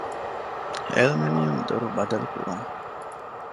އެލްމެނިއަމަށް ދޮރު ބަދަލުކުރުން